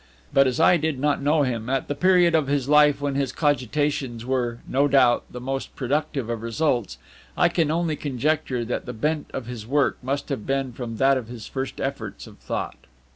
But as I did not know him at the period of his life when his cogitations were, no doubt, the most productive of results, I can only conjecture that the bent of his work must have been from that of his first efforts of thought.